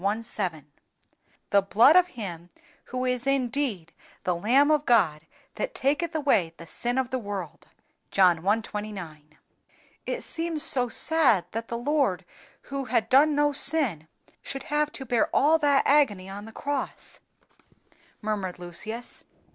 7,) the blood of Him who is indeed THE LAMB OF GOD THAT TAKETH AWAY THE SIN OF THE WORLD (John i. 29). "It seems so sad that the Lord, who had done no sin, should have to bear all that agony on the cross," murmured Lucius.